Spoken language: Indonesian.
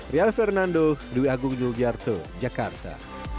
rial fernando dewi agung yogyakarta